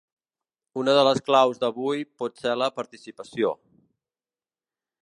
Una de les claus d’avui pot ser la participació.